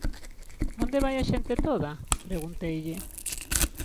_Onde vai a xente toda _pregunteille.